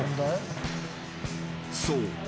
［そう。